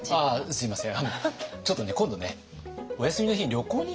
すみません。